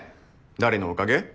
誰のおかげ？